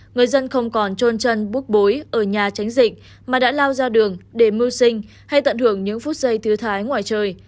người dân không còn trôn chân búc bối ở nhà tránh dịch mà đã lao ra đường để mưu sinh hay tận hưởng những phút giây thứ thái ngoài trời